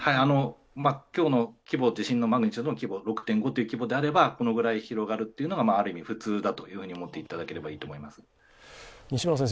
今日のマグニチュード６．５という規模であればこのぐらい広がるというのがある意味普通だと思っていただいていいと思います。